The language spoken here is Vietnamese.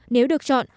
nếu được chọn